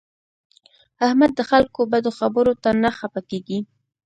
احمد د خلکو بدو خبرو ته نه خپه کېږي.